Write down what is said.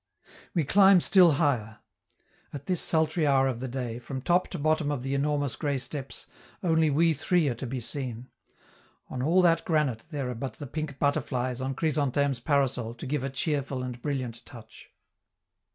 We climb still higher. At this sultry hour of the day, from top to bottom of the enormous gray steps, only we three are to be seen; on all that granite there are but the pink butterflies on Chrysantheme's parasol to give a cheerful and brilliant touch.